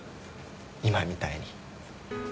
今みたいに。